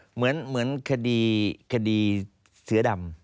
เหมือนคดีเสือดำ